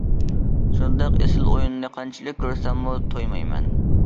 شۇنداق ئېسىل ئويۇننى قانچىلىك كۆرسەممۇ تويمايمەن.